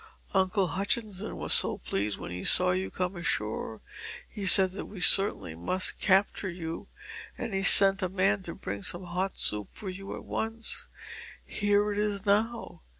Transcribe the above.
Uncle Hutchinson was so pleased when he saw you come ashore. He said that we certainly must capture you, and he sent a man to bring some hot soup for you at once here it is now."